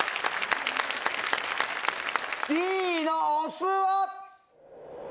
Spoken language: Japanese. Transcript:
Ｄのお酢は？